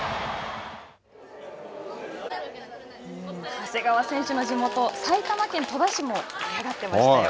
長谷川選手の地元埼玉県戸田市も盛り上がってましたよ。